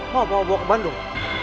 mau bawa ke bandung